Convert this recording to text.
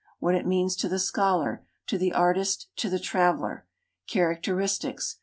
What it means to the scholar, to the artist, to the traveler. Characteristics.